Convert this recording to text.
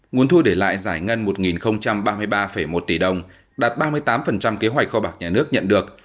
nguồn thu để lại giải ngân một ba mươi ba một tỷ đồng đạt ba mươi tám kế hoạch kho bạc nhà nước nhận được